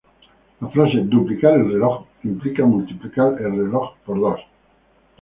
La frase "duplicar el reloj" implica multiplicar el reloj por dos.